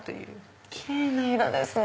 キレイな色ですね！